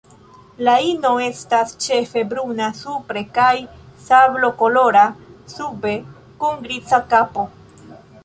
La ino estas ĉefe bruna supre kaj sablokolora sube, kun griza kapo.